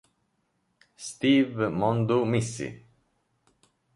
Steve Moundou-Missi